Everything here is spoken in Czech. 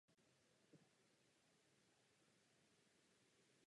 Má mladší sestru Barboru a bratra Dominika.